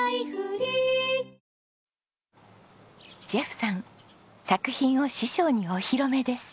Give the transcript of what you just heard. ジェフさん作品を師匠にお披露目です。